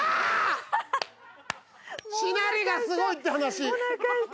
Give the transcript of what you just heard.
しなりがすごいって話。